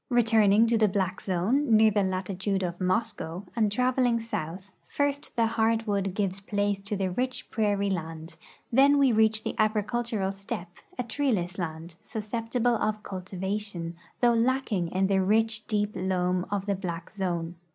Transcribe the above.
Returning to the black zone, near the latitude of Mo.scow, and traveling south, first the hardwood gives place to the rich prairie land; then we reach the agricultural steppe, a treeless land, susceptible of cultivation, though lacking in the ricli, deep loam of the black zone.